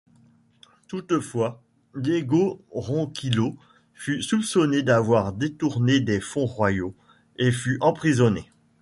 Toutefois, Diego Ronquillo fut soupçonné d'avoir détourné des fonds royaux, et fut emprisonné.